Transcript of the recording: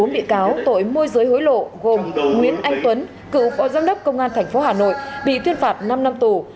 bốn bị cáo tội môi giới hối lộ gồm nguyễn anh tuấn cựu phó giám đốc công an tp hà nội bị tuyên phạt năm năm tù